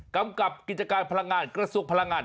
กำกับกิจการพลังงานกระทรวงพลังงาน